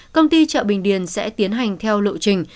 công ty chợ bình điền sẽ tiến hành theo lộ trình